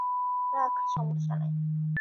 রাখ, সমস্যা নেই।